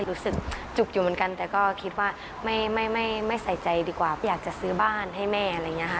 รู้สึกจุกอยู่เหมือนกันแต่ก็คิดว่าไม่ใส่ใจดีกว่าอยากจะซื้อบ้านให้แม่อะไรอย่างนี้ค่ะ